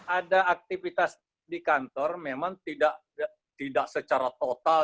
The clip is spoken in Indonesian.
ada aktivitas di kantor memang tidak secara total